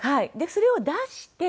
それを出して。